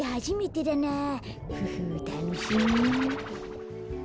フフたのしみ。